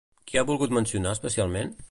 Qui ha volgut mencionar especialment?